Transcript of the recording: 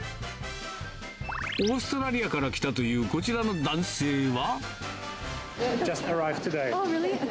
オーストラリアから来たというこちらの男性は。